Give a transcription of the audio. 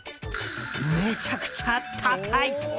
めちゃくちゃ高い！